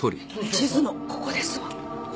地図のここですわ。